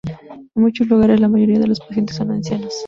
En muchos lugares, la mayoría de los pacientes son ancianos.